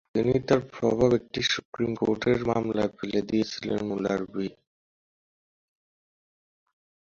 তিনি তার প্রভাব একটি সুপ্রিম কোর্টের মামলায় ফেলে দিয়েছিলেন মুলার ভি।